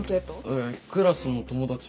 えクラスの友達。